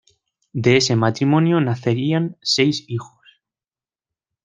De ese matrimonio nacerían seis hijos.